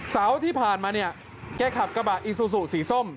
สาวที่ผ่านมาแก่ขับกระบะอิซูซูสีส้ม